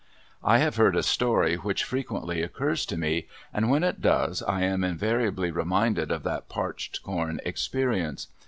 I have heard a story which frequently occurs to me, and when it does I am invariably reminded of that parched corn experience.